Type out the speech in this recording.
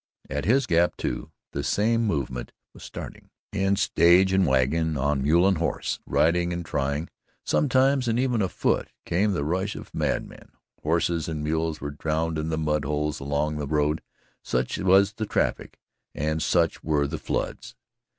At his gap, too, the same movement was starting. In stage and wagon, on mule and horse, "riding and tying" sometimes, and even afoot came the rush of madmen. Horses and mules were drowned in the mud holes along the road, such was the traffic and such were the floods.